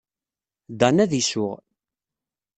Dan ad isuɣ.